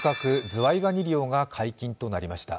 ズワイガニ漁が解禁となりました。